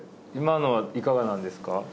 今のはいかがなんですか？